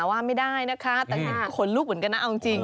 ว่าไม่ได้นะคะแต่ขนลุกเหมือนกันนะเอาจริง